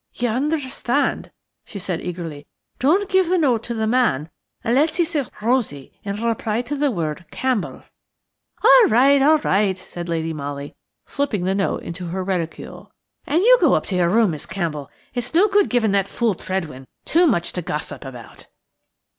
"You understand?" she said eagerly. "Don't give the note to the man unless he says 'Rosie' in reply to the word 'Campbell.'" "All right–all right!" said Lady Molly, slipping the note into her reticule. "And you go up to your room, Miss Campbell; it's no good giving that old fool Tredwen too much to gossip about."